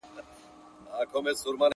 زیارت وتاته نه رسیږي-